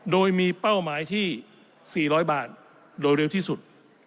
โดยมีเป้าหมายที่๔๐๐บาทโดยเร็วที่สุด